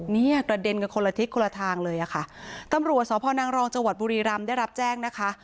เนี่ยกระเด็นกันคนละทิศคนละทางเลยอ่ะค่ะตำรวจสพนังรองจังหวัดบุรีรำได้รับแจ้งนะคะ